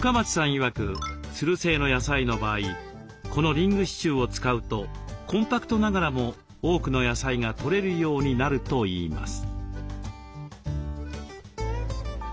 いわくつる性の野菜の場合このリング支柱を使うとコンパクトながらも多くの野菜がとれるようになるといいます。